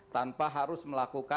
tanpa harus melakukan apa apa